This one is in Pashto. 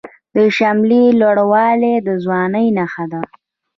د شملې لوړوالی د ځوانۍ نښه ده.